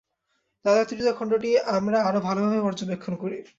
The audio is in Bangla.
ধাঁধার তৃতীয় খণ্ডটি আমরা আরও ভালভাবে পর্যবেক্ষণ করি।